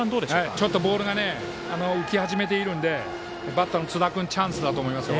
ちょっとボールが浮き始めているのでバッターの津田君チャンスだと思います。